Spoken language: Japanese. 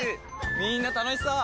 みんな楽しそう！